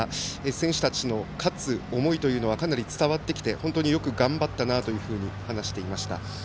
選手たちの勝つ思いはかなり伝わって本当によく頑張ったなというふうに話していました。